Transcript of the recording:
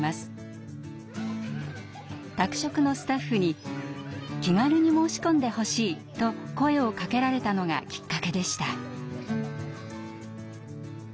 宅食のスタッフに「気軽に申し込んでほしい」と声をかけられたのがきっかけでした。